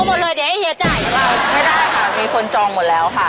ไม่ได้ค่ะมีคนจองหมดแล้วค่ะ